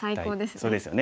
そうですよね。